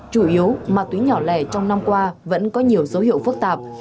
chủ yếu ma túy nhỏ lẻ trong năm qua vẫn có nhiều dấu hiệu phức tạp